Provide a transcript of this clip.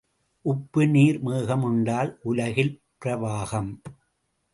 உப்பு நீர் மேகம் உண்டால் உலகில் பிரவாகம்.